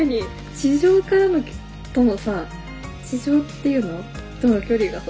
地上からのとのさ地上って言うの？との距離がさ